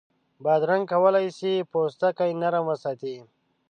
بادرنګ کولای شي پوستکی نرم وساتي.